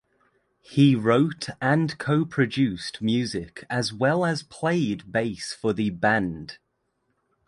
He wrote and coproduced music as well as played bass for the band.